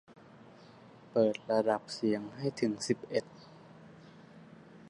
เปิดระดับเสียงให้ถึงสิบเอ็ด